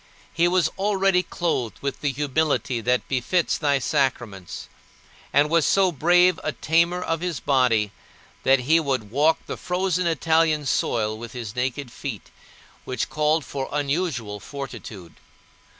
He was already clothed with the humility that befits thy sacraments, and was so brave a tamer of his body that he would walk the frozen Italian soil with his naked feet, which called for unusual fortitude.